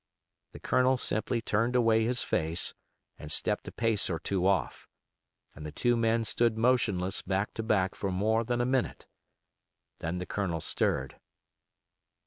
The Colonel simply turned away his face and stepped a pace or two off, and the two men stood motionless back to back for more than a minute. Then the Colonel stirred.